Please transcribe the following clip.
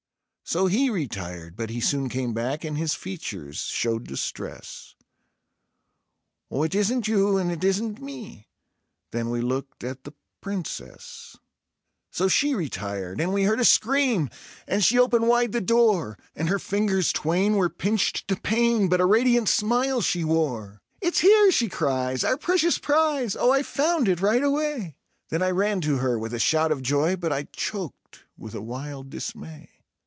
So he retired; but he soon came back, and his features showed distress: "Oh, it isn't you and it isn't me." ... Then we looked at the Princess. So she retired; and we heard a scream, and she opened wide the door; And her fingers twain were pinched to pain, but a radiant smile she wore: "It's here," she cries, "our precious prize. Oh, I found it right away. ..." Then I ran to her with a shout of joy, but I choked with a wild dismay.